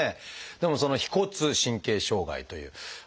でもその「腓骨神経障害」という。